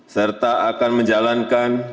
serta akan menjalankan